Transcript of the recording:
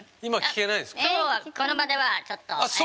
今日はこの場ではちょっと。